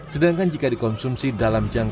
sedangkan jika dikonsumsi dalam jangka